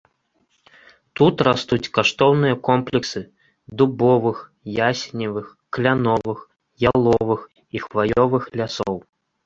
Тут растуць каштоўныя комплексы дубовых, ясеневых, кляновых, яловых і хваёвых лясоў.